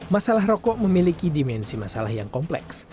masalah rokok memiliki dimensi masalah yang kompleks